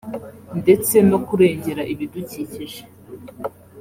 ndetse no kurengera ibidukikije